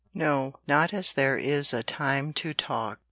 No, not as there is a time to talk.